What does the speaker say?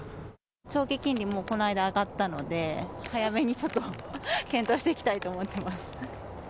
長期金利もこないだ上がったので、早めにちょっと検討していきたいと思ってます。